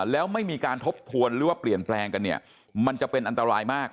แล้วไม่มีการทบทวนหรือว่าเปลี่ยนแปลงกันเนี่ยมันจะเป็นอันตรายมาก